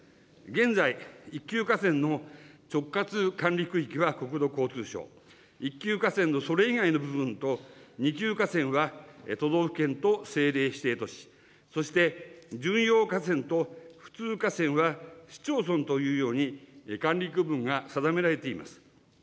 現在、一級河川の直轄管理区域は国土交通省、一級河川のそれ以外の部分と二級河川は都道府県と政令指定都市、そして準用河川と普通河川は市町村というように、管理区分が定められています。